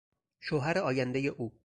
شوهر آیندهی او